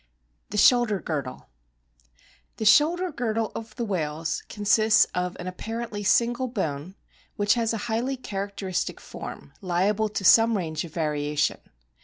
THE SHOULDER GIRDLE The shoulder girdle of the whales consists of an apparently single bone, which has a highly character istic form, liable to some range of variation.